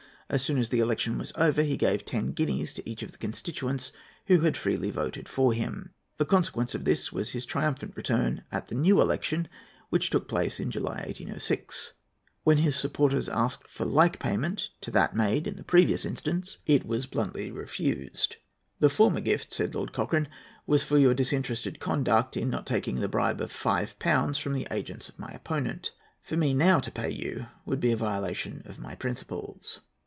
As soon as the election was over, he gave ten guineas to each of the constituents who had freely voted for him. The consequence of this was his triumphant return at the new election, which took place in July, 1806. When his supporters asked for like payment to that made in the previous instance, it was bluntly refused. "The former gift," said Lord Cochrane, "was for your disinterested conduct in not taking the bribe of five pounds from the agents of my opponent. For me now to pay you would be a violation of my principles."